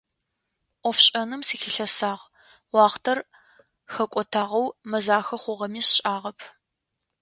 Ӏофшӏэным сыхилъэсагъ, уахътэр хэкӏотагъэу мэзахэ хъугъэми сшӏагъэп.